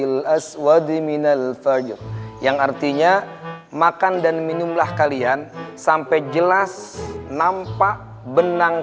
⁇ aswadi minal faryu yang artinya makan dan minumlah kalian sampai jelas nampak benang